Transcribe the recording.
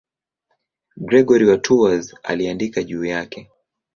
Gregori wa Tours aliandika juu yake.